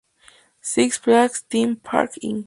Six Flags Theme Parks Inc.